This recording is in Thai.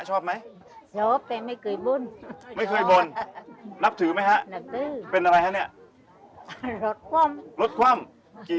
ชอบมาดูที่นี่